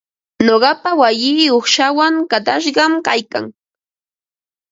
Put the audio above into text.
Nuqapa wayii uqshawan qatashqam kaykan.